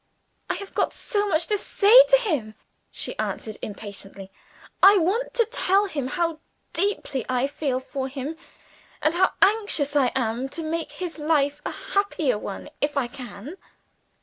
"I have got so much to say to him," she answered impatiently, "I want to tell him how deeply I feel for him, and how anxious I am to make his life a happier one if I can."